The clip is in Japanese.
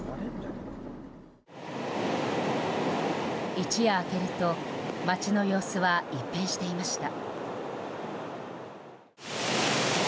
一夜明けると街の様子は一変していました。